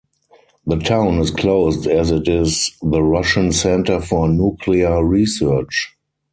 The town is closed as it is the Russian center for nuclear research.